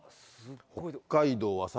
北海道はさ